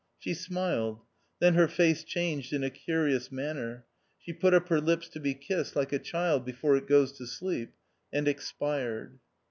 She smiled ; then her face changed in a curious manner ; she put up her lips to be kissed like a child before it goes to sleep, and expired.